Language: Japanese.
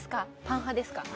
パン派ですか？